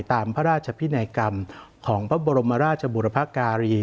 ตามพระราชพินัยกรรมของพระบรมราชบุรพการี